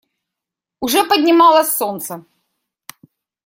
Уже поднималось солнце.